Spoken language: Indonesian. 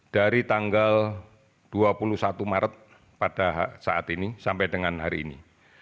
dari tanggal dua puluh satu maret pada saat ini sampai dengan hari ini